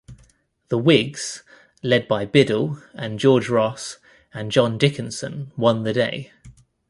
The Whigs, led by Biddle and George Ross and John Dickinson won the day.